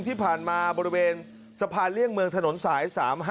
ที่ผ่านมาบริเวณสะพานเลี่ยงเมืองถนนสาย๓๕